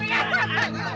iya benar tuan